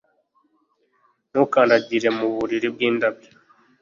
Ntukandagire mu buriri bwindabyo